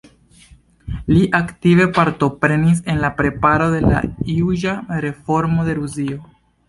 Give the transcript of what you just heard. Li aktive partoprenis en la preparo de la juĝa reformo de Rusio.